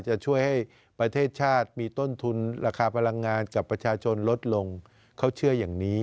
จะช่วยให้ประเทศชาติมีต้นทุนราคาพลังงานกับประชาชนลดลงเขาเชื่ออย่างนี้